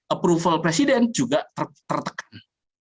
approval presiden juga tertekan